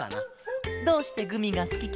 どうしてグミがすきケロ？